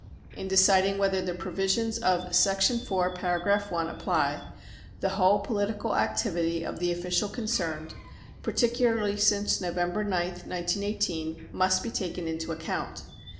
In deciding whether the provisions of Section 4, par. 1, apply, the whole political activity of the official concerned, particularly since Nov. 9th, 1918, must be taken into account.